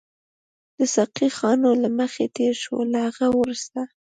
د ساقي خانو له مخې تېر شوو، له هغه وروسته.